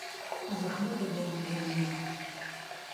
زەحمەتە بەوان بڵێین نا.